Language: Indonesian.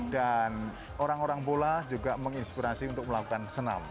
dan orang orang bola juga menginspirasi untuk melakukan senam